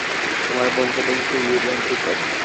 তোমার বোন তো দেখি খুবই বিভ্রান্তিকর।